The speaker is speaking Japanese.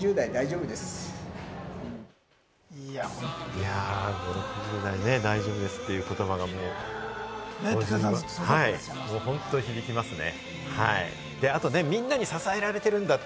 いや、５０６０代、大丈夫ですという言葉がね、本当に響きますね。